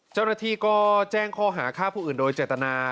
เจ้าหน้าที่ก็แจ้งข้อหาฆ่าผู้อื่นโดยเจตนา